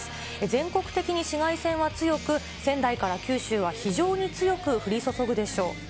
全国的に紫外線は強く、仙台から九州は非常に強く降り注ぐでしょう。